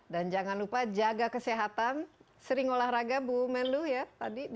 dan jangan lupa jaga kesehatan sering olahraga bu menlu ya tadi disebut